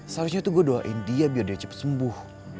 seharusnya tuh gue doain dia biar dia cepat sembuh